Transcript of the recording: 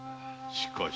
しかし？